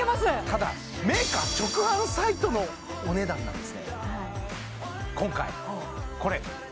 ただメーカー直販サイトのお値段なんですね